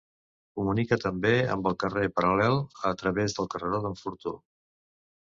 Comunica també amb el carrer paral·lel, a través del carreró d'en Fortó.